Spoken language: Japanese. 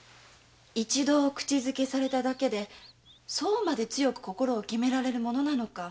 一度口づけされただけでそうまで強く心を決められるものなのか